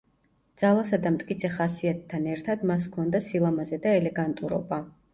ძალასა და მტკიცე ხასიათთან ერთად მას ჰქონდა სილამაზე და ელეგანტურობა.